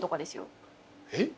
えっ？